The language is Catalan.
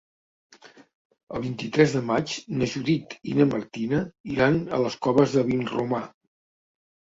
El vint-i-tres de maig na Judit i na Martina iran a les Coves de Vinromà.